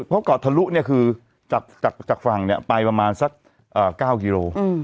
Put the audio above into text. เพราะเกาะทะลุคือจากฝั่งไปประมาณสัก๙กิโล